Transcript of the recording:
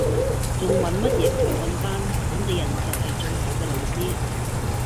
仲揾乜嘢培訓班，本地人就係最好嘅老師